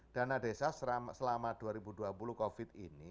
dana desa selama dua ribu dua puluh covid ini